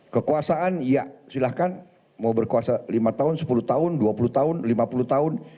kekuasaan ya silahkan mau berkuasa lima tahun sepuluh tahun dua puluh tahun lima puluh tahun